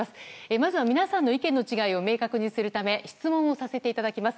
まず皆さんの意見の違いを明確にするため質問をさせていただきます。